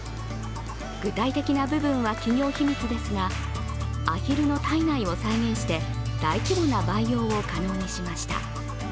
具体的な部分は企業秘密ですが、あひるの体内を再現して大規模な培養を可能にしました。